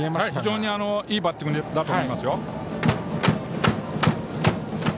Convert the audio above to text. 非常にいいバッティングだったと思います。